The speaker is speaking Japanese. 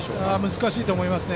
難しいと思います。